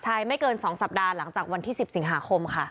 ใช่ไม่เกิน๒สัปดาห์หลังจากวันที่๑๐สิงหาคมค่ะ